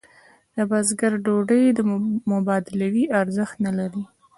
د بزګر ډوډۍ مبادلوي ارزښت نه لري.